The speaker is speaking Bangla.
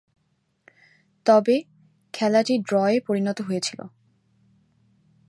তবে, খেলাটি ড্রয়ে পরিণত হয়েছিল।